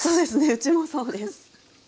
うちもそうです。